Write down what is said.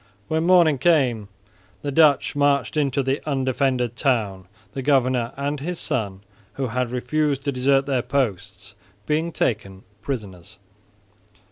When morning came the Dutch marched into the undefended town, the governor and his son, who had refused to desert their posts, being taken prisoners.